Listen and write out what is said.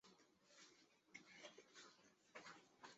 湖广戊子乡试。